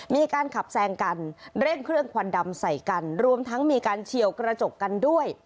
มีการขับแซงกันเร่งเครื่องควันดำใส่กันรวมทั้งมีการเฉียวกระจกกันด้วย